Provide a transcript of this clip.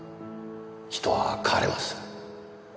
人は変われます。